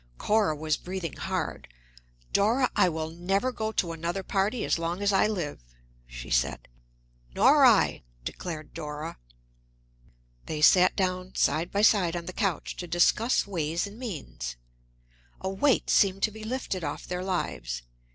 Cora was breathing hard. "Dora, I will never go to another party as long as I live," she said. "Nor I," declared Dora. They sat down side by side on the couch to discuss ways and means. A weight seemed to be lifted off their lives.